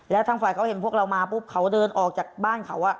แล้วทางฝ่ายเขาเห็นพวกเรามาปุ๊บเขาเดินออกจากบ้านเขา